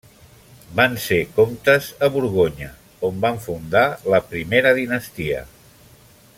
Van ser comtes a Borgonya, on van fundar la primera dinastia.